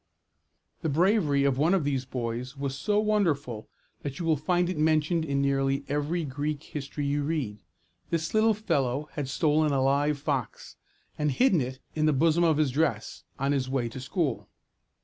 The bravery of one of these boys was so wonderful that you will find it mentioned in nearly every Greek history you read. This little fellow had stolen a live fox, and hidden it in the bosom of his dress, on his way to school.